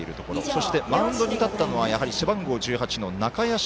そして、マウンドに立ったのはやはり背番号１８の中屋敷。